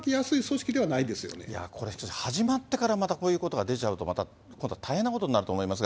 しかしこれ、始まってからこういうことが出ちゃうと、また今度は大変なことになると思いますが。